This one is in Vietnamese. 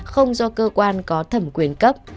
không do cơ quan có thẩm quyền cấp